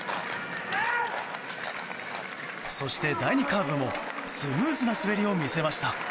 そして第２カーブもスムーズな滑りを見せました。